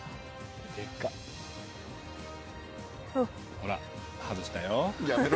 ほら、外したよ。